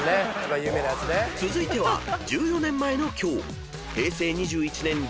［続いては１４年前の今日］